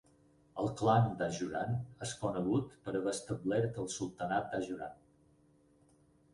El clan d'Ajuran és conegut per haver establert el sultanat d'Ajuran.